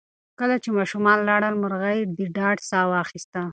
کله چې ماشومان لاړل، مرغۍ د ډاډ ساه واخیسته.